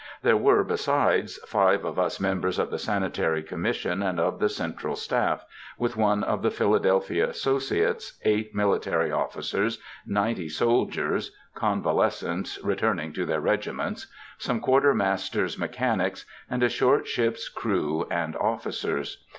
There were, besides, five of us members of the Sanitary Commission and of the central staff, with one of the Philadelphia associates, eight military officers, ninety soldiers (convalescents, returning to their regiments), some quartermaster's mechanics, and a short ship's crew and officers.